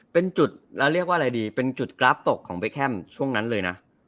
เป็นจุดแล้วเรียกว่าอะไรดีเป็นจุดกราฟตกของเบแคมช่วงนั้นเลยนะ